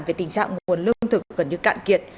về tình trạng nguồn lương thực gần như cạn kiệt